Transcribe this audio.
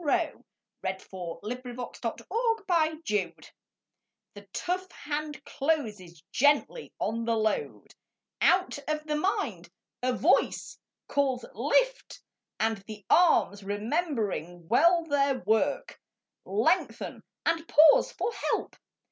62 MAN CARRYING BALE r I ^HE tough hand closes gently on the load ; X Out of the mind, a voice Calls " Lift !" and the arms, remembering well their work, Lengthen and pause for help.